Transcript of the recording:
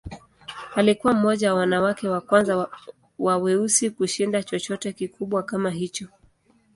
Alikuwa mmoja wa wanawake wa kwanza wa weusi kushinda chochote kikubwa kama hicho.